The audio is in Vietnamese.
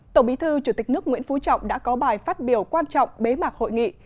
tổng bí thư chủ tịch nước nguyễn phú trọng đã có bài phát biểu quan trọng bế mạc hội nghị